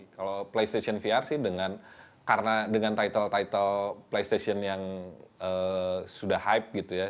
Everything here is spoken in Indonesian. kalau playstation vr sih dengan karena dengan title title playstation yang sudah hype gitu ya